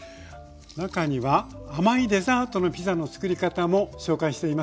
中には甘いデザートのピザのつくり方も紹介しています。